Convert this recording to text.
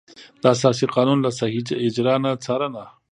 د اساسي قانون له صحیح اجرا نه څارنه.